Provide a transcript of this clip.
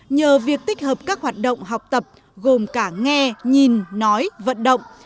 nhờ việc tích hợp các hoạt động học tập gồm cả nghe nhìn nói vận động